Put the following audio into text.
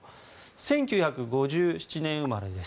１９５７年生まれです。